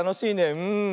うん。